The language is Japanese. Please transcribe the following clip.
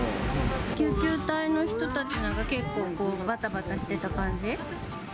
救急隊の人たちは、結構ばたばたしてた感じ。